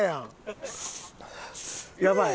やばい？